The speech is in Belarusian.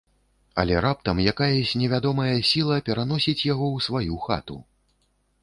Але раптам якаясь невядомая сiла пераносiць яго ў сваю хату...